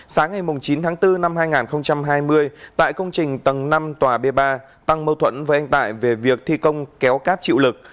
sáng ngày chín tháng bốn năm hai nghìn hai mươi tại công trình tầng năm tòa b ba tăng mâu thuẫn với anh tại về việc thi công kéo cáp chịu lực